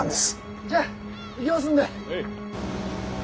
じゃあ行きますんで。